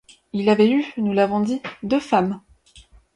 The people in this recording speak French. --il avait eu, nous l'avons dit, deux femmes.